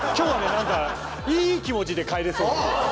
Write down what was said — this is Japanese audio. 何かいい気持ちで帰れそう。